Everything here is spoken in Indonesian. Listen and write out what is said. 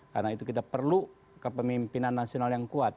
karena itu kita perlu kepemimpinan nasional yang kuat